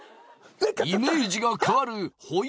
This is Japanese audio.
イメージが変わるほい